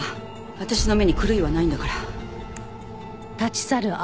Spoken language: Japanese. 私の目に狂いはないんだから。